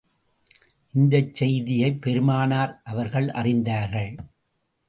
இந்தச் செய்தியை பெருமானார் அவர்கள் அறிந்தார்கள்.